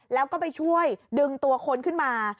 แล้วก็ไปช่วยดึงตัวคนขึ้นมา